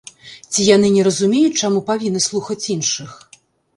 Ці яны не разумеюць, чаму павінны слухаць іншых.